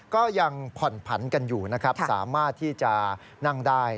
ก็ยังผ่อนผันกันอยู่นะครับสามารถที่จะนั่งได้